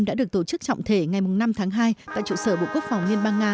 đã được tổ chức trọng thể ngày năm tháng hai tại trụ sở bộ quốc phòng liên bang nga